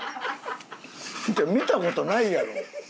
見た事ないやろ？